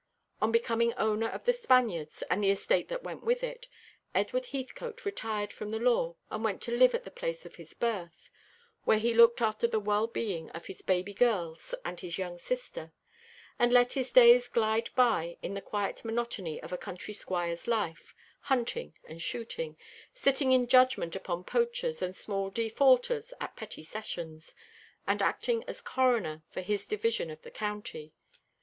On becoming owner of The Spaniards, and the estate that went with it, Edward Heathcote retired from the law, and went to live at the place of his birth, where he looked after the well being of his baby girls and his young sister, and let his days glide by in the quiet monotony of a country squire's life, hunting and shooting, sitting in judgment upon poachers and small defaulters at petty sessions, and acting as coroner for his division of the county.